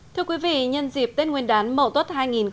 thưa quý vị nhân dịp tết nguyên đán mậu tốt hai nghìn một mươi tám